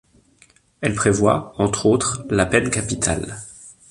Elle prévoit, entre autres, la peine capitale.